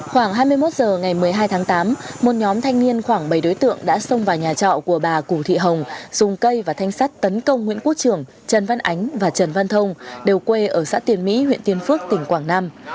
khoảng hai mươi một h ngày một mươi hai tháng tám một nhóm thanh niên khoảng bảy đối tượng đã xông vào nhà trọ của bà cụ thị hồng dùng cây và thanh sắt tấn công nguyễn quốc trưởng trần văn ánh và trần văn thông đều quê ở xã tiền mỹ huyện tiên phước tỉnh quảng nam